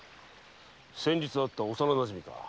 先日会った幼なじみだな。